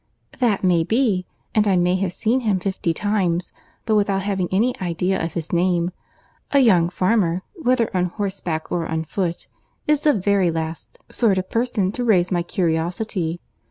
"That may be, and I may have seen him fifty times, but without having any idea of his name. A young farmer, whether on horseback or on foot, is the very last sort of person to raise my curiosity.